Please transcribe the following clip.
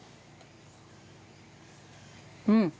うん。